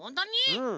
うん。